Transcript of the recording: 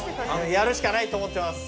やるしかないと思ってます。